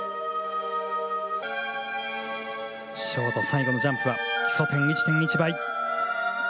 ショート最後のジャンプは基礎点１．１倍。